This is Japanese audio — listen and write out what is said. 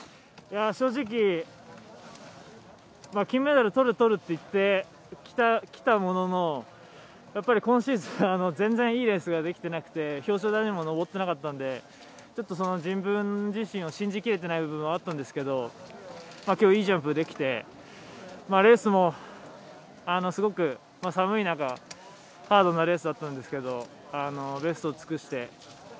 正直、金メダルとると言ってきたものの今シーズン、全然いいレースができていなくて表彰台にも上っていなかったのでちょっと自分自身を信じ切れていない部分はあったんですけど今日いいジャンプできてレースもすごく寒い中、ハードなレースだったんですけどベストを尽くして。